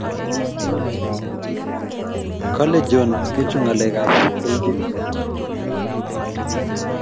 kale John kechu ngalek ab kilchin